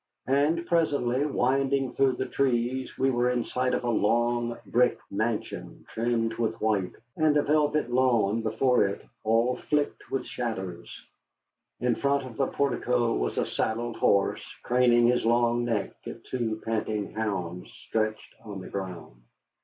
And presently, winding through the trees, we were in sight of a long, brick mansion trimmed with white, and a velvet lawn before it all flecked with shadows. In front of the portico was a saddled horse, craning his long neck at two panting hounds stretched on the ground.